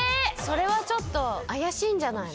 それはちょっと怪しいんじゃないの？